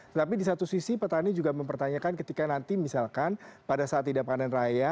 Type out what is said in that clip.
tetapi di satu sisi petani juga mempertanyakan ketika nanti misalkan pada saat tidak panen raya